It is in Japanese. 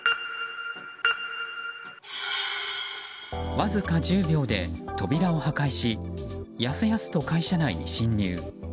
わずか１０秒で扉を破壊しやすやすと会社内に侵入。